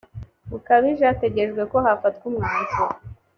bukabije hategerejwe ko hafatwa umwanzuro